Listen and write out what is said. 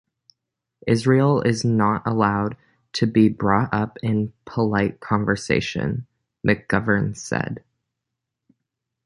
'Israel is not allowed to be brought up in polite conversation,' McGovern said.